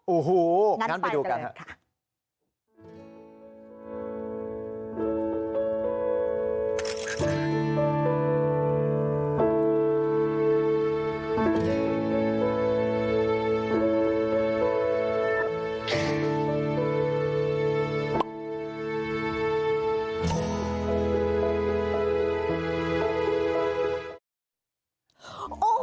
อู้หูงั้นไปดูกันค่ะ